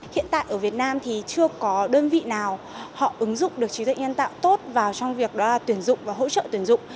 hiện tại ở việt nam thì chưa có đơn vị nào họ ứng dụng được trí tuệ nhân tạo tốt vào trong việc đó là tuyển dụng và hỗ trợ tuyển dụng